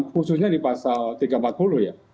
khususnya di pasal tiga ratus empat puluh ya